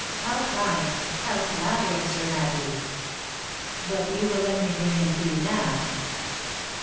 11 " How kind ! how flattering, Sir Matthew ! But you will let me bring him to you now